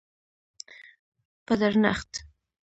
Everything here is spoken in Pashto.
په درنښت،